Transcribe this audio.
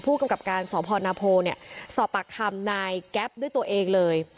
กับการสพนาโพเนี่ยสอบปากคำนายแก๊ปด้วยตัวเองเลย